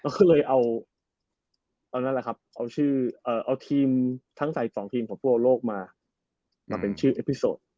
ก็เลยเอาทีมทั้งสายสองทีมของบอลโลกมาเป็นชื่ออีพิโซด